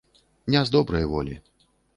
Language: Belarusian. Не з добрай волі.